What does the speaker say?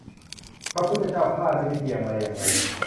พระพุทธเจ้าข้า ด้วยวิธีอย่างไรอย่างไร